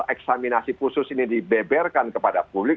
eksaminasi khusus ini dibeberkan kepada publik